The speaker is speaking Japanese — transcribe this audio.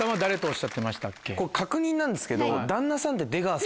確認なんですけど。